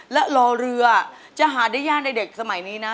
และรอเรือจะหาได้ยากในเด็กสมัยนี้นะ